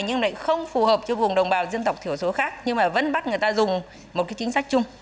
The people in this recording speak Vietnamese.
nhưng lại không phù hợp cho vùng đồng bào dân tộc thiểu số khác nhưng mà vẫn bắt người ta dùng một cái chính sách chung